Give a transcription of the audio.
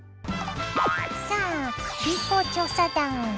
さあＢ公調査団！